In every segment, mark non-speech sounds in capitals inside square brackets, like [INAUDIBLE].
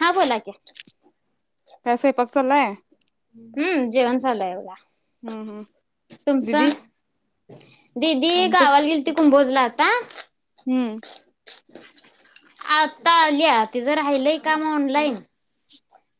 हा बोला की का स्वयंपाक चालाय. हम्म जेवण चालू आहे बघा हम्म हम्म तुमचा दिदी दीदी आमचंच गावाला गेलती कुंबोजला आता हम्म आता आली तिच राहिलय काम ऑनलाइन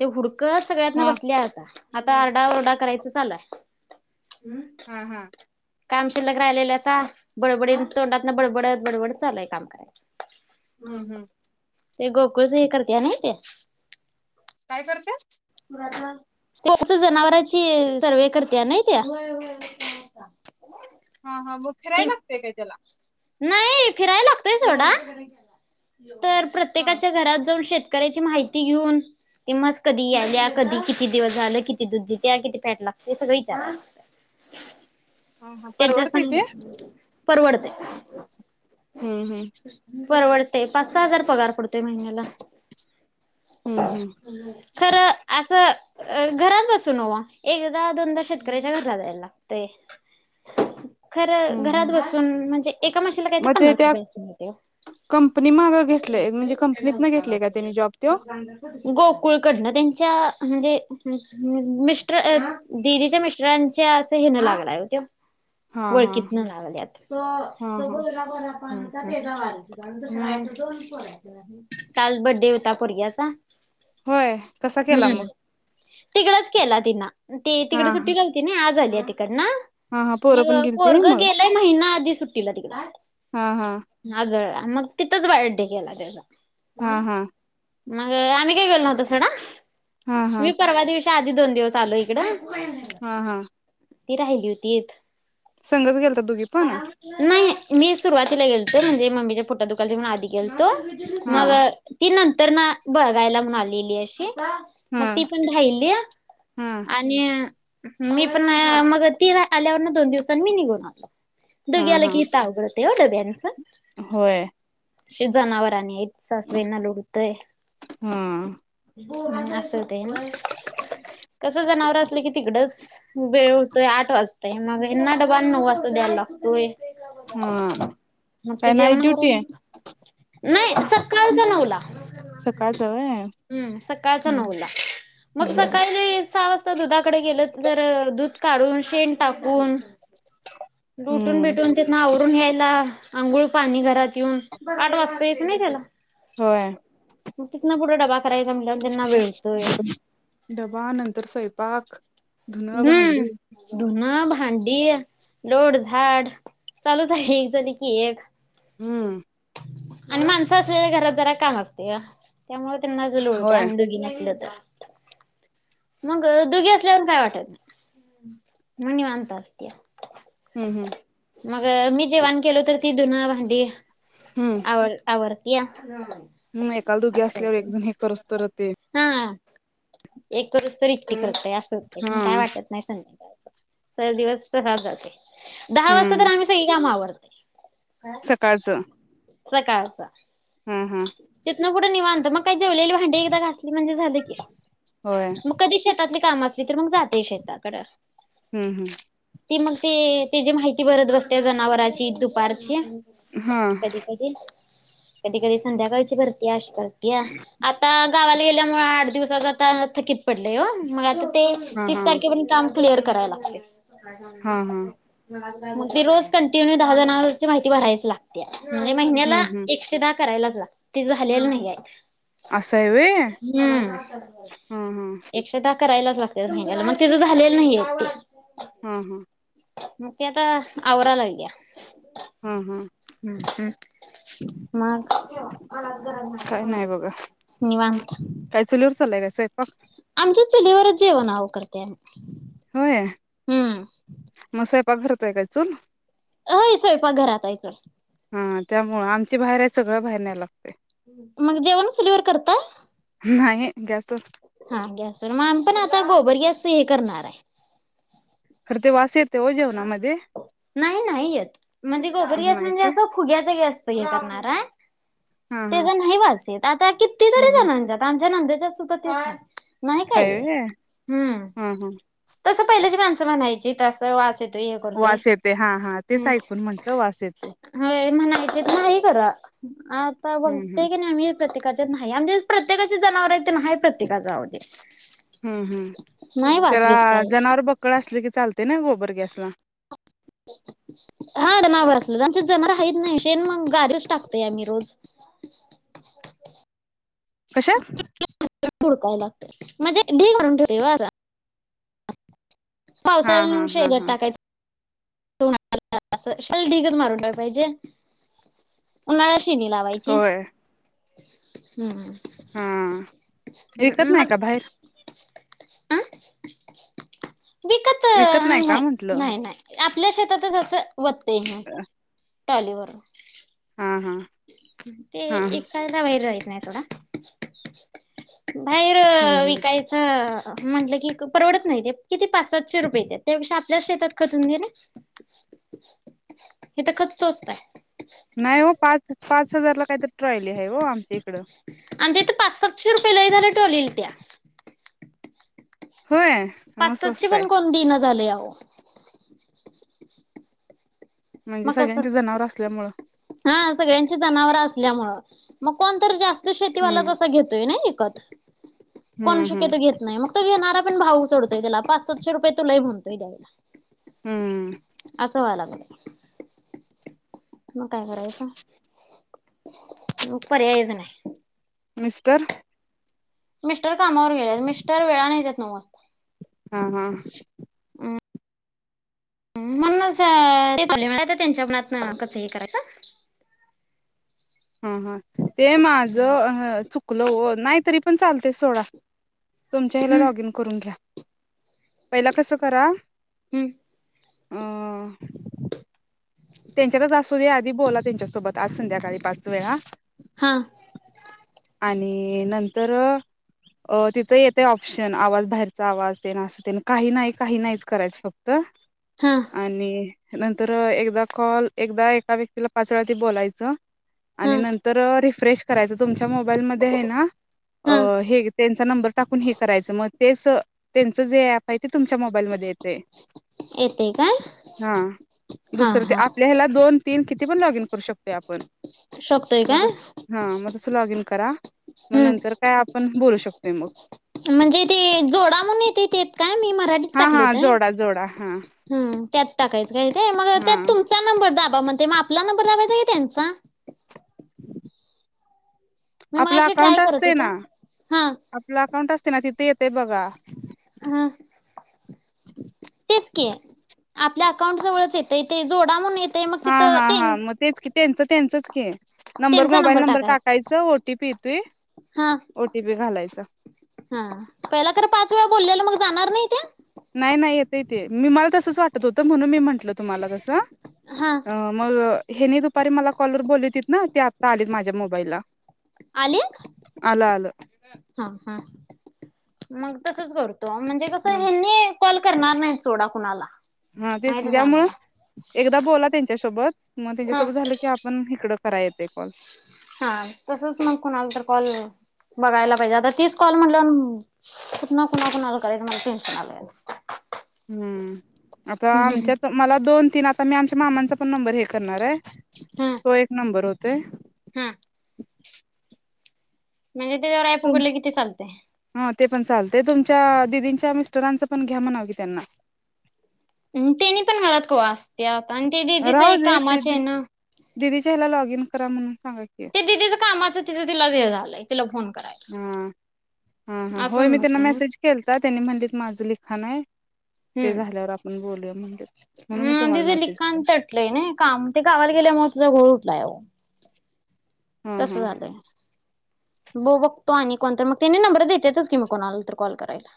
ते हुडकू कळत सगळ्यातन हा बसलीया आता आता आरडाओरडा करायचं चालू हाय. हम्म हा हा काम शिल्लक राहिलेल्याचा बडबडी तोंडातन बडबडत बडबडत चालूय काम करायचं हूं हूं ते गोकुळ च हे करत्या ना ते [UNINTELLIGIBLE] रिकामा ऑडिओ [UNINTELLIGIBLE] जनावरची सर्वे करते ना त्या हा हा मग ते फिराय लागतेय काय तेला. नाही फिरायला लागतय सोडा. तर हा प्रत्येकाच्या घरात जाऊन शेत करायची माहिती घेऊन ती म्हस कधी यायल्या कधी किती दिवस झालं किती दूध देत्या किती फॅट लागतय सगळ इचाराय लागत हा हा त्यांचा सं परवडते ते परवडतय. हम्म हम्म परवडतय पाच सहा हजार पगार पडतोय महिन्याला हम्म हम्म खरं आसं अ घरात बसून ओ एकदा दोनदा शेतकऱ्याच्या घरला जायायला लागतय खर हम्म घरात हम्म बसून म्हणजे एका म्हशीला कायतर मग ते पन्नास त्या रुपये अस मिळतय कंपनी मागं घेतलंय म्हणजे कंपनीत न घेतलेय का त्यानी जॉब तो ओ गोकुळकडन त्यांच्या म्हणजे हम् ह् मिस्टर दिदीच्या मिस्टरांच्या असं हेणं लागलाय ओ त्यो. हा हा वळकित न लागल्यात. हा हा [INAUDIBLE] काल बड्डे होता पोरग्याचा होय कसा केला मग तिकडचं केला तिन ते हा तिकड हा सुट्टीला आलती ना आज आलीया तिकडन हा हा पोरं पण य गेलती होय पोरगं मग गेलय महिना आधीच सुट्टीला तिकड हा हा आजळला मग तिथंच बर्डे केला त्याचा हा हा मग आम्ही काय गेलो नव्हतो सोडा. हा हा मी परवा दिवश त्या आधी दोन दिवस आलो हिकडं. हा, हा. ती राहिली होती. संघच गेलता दोघी पण हा [UNINTELLIGIBLE] नाही मी सुरवातीला गेलोतो म्हणजे मम्मीच्या पोटात दुखालत म्हणून आधी गेलतो मग तिन तर ना बघायला म्हणून आलेली अशी हा मग ती हा पण राहिलीया हा आणि मी पण मग ती रा आल्यावरन दोन दिवसांनी मी निघून आलो. हा दोघी आलो हा की हीत अवघड होतंय हो डब्यांनच. होय शेत जनावर आणि हायीत. सासूबाईना लोड होतोय. हा आणि असं होतय नां कस जनावर असलं की तिकडच वेळ होतोय आठ असतंय, मग ह्याना डबा नऊ वाजता द्याला लागतोय. हा मग काय ते नाईट जेवण ड्युटी आवरून आहे नाही सकाळचा नऊला सकाळच व्हय सकाळचा हम्म नऊला हम्म मग हम्म सकाळी सहा वाजता दुधाकडे गेलं तर दूध काढून शेन टाकू कोण लुटून हम्म बिटून तिथन आवरून यायला अंघोळ पाणी घरात येऊन आठ वाजतयच नाही त्याला होय. मग तिन पुढ डबा कराय डबा नंतर स्वयंपाक धुनं भांडी हम्म धुन भा भांडी लोड, झाड चालूच आहे एक झाली की एक. हम्म आणि माणसं असलेल्या घरात जरा काम असतंय ओ. त्यामुळे त्यांना ज लोडतंय होय आम्ही दोघी नसल तर. मग दुघी असल्यावन काय वाटत नाही म निवांत असतीया. हम्म हम्म मग मी जेवण केलो तर ती धुन भा दे आवर आवर या अम एकाला दोघी असल्यावर करस तवर ते हा एक करुस तरी? [UNINTELLIGIBLE] हा काय वाटत नाही संध्याकाळच सर दिवस तसाच जाते. दहा वाजता हम्म तर आम्ही सगळी काम आवरतो [UNINTELLIGIBLE] सकाळचं... सकाळचा हा हा तू इकड निवांत मग आत्ताच जेवलेली भांडी एकदा घासली म्हणजे झाल की होय मग कधी शेतातली.... काम असली तर मग जाते शेताकडं हम्म हम्म ते मग ते त्याजी माहिती भरत बसते जनावराची दुपारची.... आ ह कधी कधी कधी कधी संध्याकाळची करते आश [UNINTELLIGIBLE] आता गावाला गेल्यामुळ आठ दिवस सग आता थकीत पडलंय हो मग आता ते हा हा तीस तारखे पण काम.. क्लिअर कराय लागतय. हा हा [UNINTELLIGIBLE] मग ते रोज कंटिन्यू दहा जणावरांची माहिती भरायच लाग... ते म्हणजे हम्म महिन्याला हम्म एकशे दहा करायला च लागते ते झालेलं नाहीय.. असं आहे व्हय हा हम्म हा एकशे दात... करायलाच लागते महिन्याला मग त्याच झालेलं नाहीय. हा हा मग ते आता आवरा लागल्या.. हा हा हम्म हम् काय नाही बघा मग काय चुलीवर चाललाय काय निवांत..... स्वयंपाक आमच्यात चुलीवरच जेवण आव करतोय आम्ही. होय हम्म [UNINTELLIGIBLE] काय चुल? हय स्वयंपाक घरात आहे चूल... हां त्यामुळं आमची बाहेर आहे सगळं बाहेर न्यायला लागतय. मग जेवण चुलवरी करता? नाही गॅस हा गॅसवर मग आमी पण आता गोबर गॅस सई हे करणार हाय. खर ते वास येत. तो जेवणामध्ये नाही नाही येत म्हणजे गोबर गॅस नाही म्हणजे काय असं फुग्याचा गॅस... सई हे करणार हाय. हा ते हा जा नाही वास येत आता किती हा तरी हा जणांच्यात आम आमच्या नंद्यच्यात सुद्धा तेच हाय. नाही का हाय व्हय हम्म हा हा तस पहिले... माणसं म्हणायची तसं वास येत.... ते ह करतेय. वास येते हा हा तेच ऐकून म्हंटलं वास येते.... ते म्हणायचे नाही कर..... अता हम्म बगते हम्म कि नाही मी प्रत्ये नाही आमच्यात प्रत्येकाचे जनावर आहे ते नाही प्रत्येकाचे आव ते.... हम्म हम्म नाही वास त्याला बीस काय जनावर बक्कळ असले की चालत.... ते नाही गोबर गॅसला हाड नावर असल आमचं जनावर हा काहीत नाही शेन मग गारीच टाकतोय आम्ही रोज. कशात? बुडकायला लागत म्हणजे ढी करून ठेवते.. हा पावसाळ्या हा न हा शेजत हा टाकायच ऊ-ऊ-ना-ना ला असं शेल ढीगच मारून ठेवायला पाहिजे. उनाल्याशि िणी लावायची... होय हम्म... हा ऐकत नाही का बाहेर. हम विकत नाही नाही नाही..... आपल्या शेतातच असं... वते नेऊन.. हा ट्रॉलीवर हा हा ते हा हम्म एका वेळेला राहील नाही सोडा बाहेर हम्म विकायचं म्हटलं की परवडत नाही ते किती पाच सातशे रुपये येत्यात् त्यापेक्षा... इथं शेतात खतून घेणे हे खत स्वस्त आहे.... नाही ओ पाच पाच हजारला काहीत ट्रॉलीआहे हो आमच्या इकडं कट्या होय मग पाच सातशे स्वस्त आहे पण कोण देईना ना झालयं हो म्हणजे मग कस सगळ्यांची जनावर असल्यामुळं हा सगळ्यांची जनावर असल्यामुळे मग कोणतर जास्त..... शेतीवाला हम्म च असं घेतोय नाही कत कोण हम्म शक्य हम्म तो घेत नाही मग तो घेणारा... पटकन भाव चडतो त्याला पाच सातशे रुपये तो लय म्हणतोय... हम्म [UNINTELLIGIBLE] मग काय करायचं मग पर्यायच नाही.... मिस्टर मिस्टर कामावर गेलेत मिस्टर वेळाने येतात नऊ वाजता हा हा हम्म म्हणूनच त्यांच्या मनात कसं हे करायचं.. हम् हम ते माझं अ चुकलं हो नाहीतरी पण चालते सोडा तुमच्या हेला हम्म लॉगीइन करून घ्या पहिला कसं करा.. हम्म अ त्यांच्यातच असू द्या आधी बोला त्यांच्यासोबत आज संध्याकाळी पाच वेळा. हां आणि नंतर अ तिथ येतय ऑप्शन आवाज बाहेरचा आवाज तेन अस तेन काही नाही, काही नाहीच करायचं फक्त. हा आणि नंतर एकदा कॉल एकदा एका व्यक्तीला पाच वेळा ते बोलायचं. आणि हा नंतर रिफ फ्रेश करायच तुमच्या मोबाईलमध्ये हाय ना, हा अं हे त्यांचा नंबर टाकून हे करायचं मग तेच त्यांच जे ऍप आहे ते तुमच्या मोबाईलमध्ये येतंय. येतय काय? दुसरं हा. आपल्या हेला दोन तीन किती पण लॉगइन करू शकतोय आपण शकतोय मग काय? तस हा मग तसं लॉग इन करा. म हम्म नंतर काय आपण बोलू शक [UNINTELLIGIBLE] म्हणजे ते जोडा म्हणून येतंय ते काय मी मराठीत हां टाकलं हां होतं जोडा जोडा हां हम्म त्यात टाकायचं काय? ते मग त्यात तुमचा नंबर दाब ब म ते आपला नंबर लावायचा की त्यांचा [INAUDIBLE] मी आपला मगाशी ट्राय अकाउंट करत असतंय ना होतो हा आपला अकाउंट असते ना तिथं येत ते बघा हं तेच की, आपल्या अकाउंट जवळच येतंय ते जोडा म्हणून येत हां हां हां म तेच की त्यांचं त्यांचंच खेळ त्यांचा नंबर टाकायचा. येतोय हं, ओटीपी घालायचा हं पहिला खरं पाच वेळा बोललेलं मग जाणार नाही त्या? नाही, नाही येतंय ते मला तसंच वाटत होतं म्हणून मी म्हटलं तुम्हाला कसं हा हं मग ह्यांनी दुपारी मला काॅलवर बोललीवतीत ना ते आत्ता आलीत मा त्या मोबाईलला आलीत आलं आलं हा हा मग तसच करू तो म्हणजे कसं ह ह्यांनी कॉल करणार नाही सोडा कुणाला. हा तेच माहितच आहे त्यामुळे मला एकदा बोला त्यांच्यासोबत. मग हा त्यांच्यासोबत झालं की आपण इकडं कराय येतय कॉल हा तसच मग कोणाला तर कॉल बघायला पाहिजे आता तीच कॉल म्हटलं कुठन कुणा कुणाला करायचं मला टेन्शन आलय आता हूं आता आमच्यात मला दोन तीन आणले. तर मी आमच्या मामांचा पण नंबर हे करणार ये तो एक नंबर होतो ते हम म्हणजे ते ॲप उघडले किती चालतय चालय तुमच्याच्या दीदींच्या मिस्टरांच पण घ्या म्हणाव कि त्यांना तेनी पण हलत कवा असत्यात राहूदे ते दिदी हयाला लॉगिन कर करा म्हणून सांगा की ते दिदीच कामाचं तिचं तिलाच् हे झालंय. तिला फोन हा करायला हा हा असं होय होऊन मी त्यांना बसलंय. मेसेज केलता त्यांनी म्हणलीत माझं लिखाण आहे ते हम्म झाल्यावर आपण बोलूया म्हणलीत. म्हणून मी अ तुम्हाला तिझे मेसेज लिखाण केला तटलंय ना काम ते गावाला गेल्यामुळे तिचा घो [UNINTELLIGIBLE] हा तस हा झालंय बघु बघतो आणि कोणत मग त्याने नंबर देतेतच की मी कोणाला तर कॉल करायला.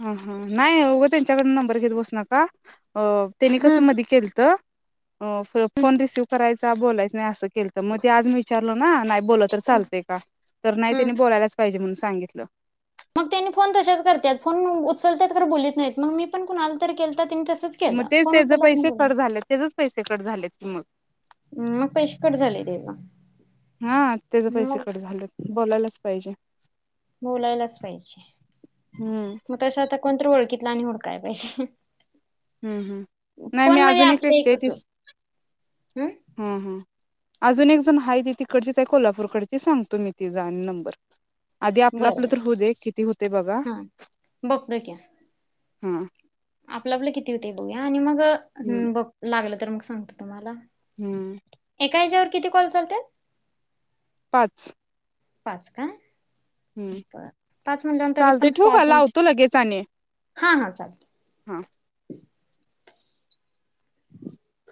हा हा नाही उग त्यांच्याकडून नंबर घेत बसू नका अ त्यांनी हम्म कसं मध केलत हो फोन रिसीव्ह करायचा बोलाय नाय अस केलत मग ते आज मी चार्ल ना नाय बोललं तर चालते का तर नाही हम्म त्यांनी बोलायलाच पाहिजे म्हणून सांगितलं मग त्यांनी फोन तशच करत फोन उचलतात तर बोलत नाहीत मग मी पण कुणाला तर के मग तेच त्याचे पैसे कट झाले तेचेच पैसे कट झालेत रिकामा ऑडिओ हम मग पैशकट झाले तेव्हा. हा त्याच पैसे कट झालेत बोलायलाच पाहिजे बोलायलाच पाहिजे हम्म म तशा आता कोणतरी ओळखी लानि हुडकाय पाहिजे हूं हूं नाही मी फोन मध्ये अजून एक आपलं व्यक्ती आहे एकच होईल तीच हम्म हूं हूं अजून एक जण आहे ती तिकडची त्या कोल्हापूरकडची सांगतो मी तिजा नंबर आधी आपलं बरं आपलं बर तर होऊ दे किती होते बघा हा बघतो की हं आपलं आपलं किती होत बघूया आणि मग? अ हम्म हं बघ लागलं तर मग सांगते तुम्हाला हम्म एका ह्याच्यावर किती कॉल चालते पाच पाच का? हूं बर पाच म्हणल्यानंतर तरी चालतय ठेवू का? लावतो लगेच आणि हां हां चालतय हां [INAUDIBLE] [INAUDIBLE]